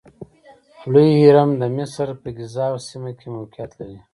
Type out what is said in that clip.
لوی هرم د مصر په ګیزا سیمه کې موقعیت لري.